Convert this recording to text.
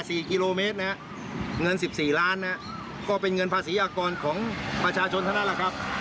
สี่กิโลเมตรนะฮะเงินสิบสี่ล้านนะฮะก็เป็นเงินภาษีอากรของประชาชนเท่านั้นแหละครับ